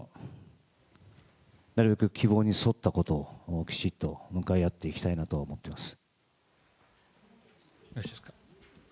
なるべく希望に沿ったことを、きちっと向かい合っていきたいなと思っています。